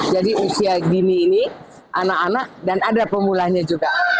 jadi usia bini ini anak anak dan ada pemulanya juga